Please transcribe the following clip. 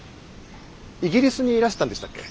イギリスにいらしたんでしたっけ？